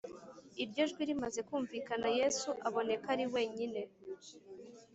Iryo jwi rimaze kumvikana yesu aboneka ari wenyine